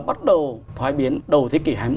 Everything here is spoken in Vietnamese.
bắt đầu thoái biến đầu thế kỷ hai mươi